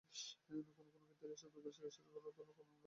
কোনও কোনও ক্ষেত্রে এইসব রোগের চিকিৎসার খরচ তুলনামূলকভাবে কম।